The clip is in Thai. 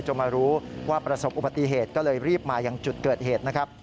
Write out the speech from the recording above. มารู้ว่าประสบอุบัติเหตุก็เลยรีบมาอย่างจุดเกิดเหตุนะครับ